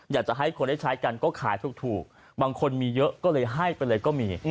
อยากจะให้คนได้ใช้กันก็ขายถูกบางคนมีเยอะก็เลยให้ไปเลยก็มี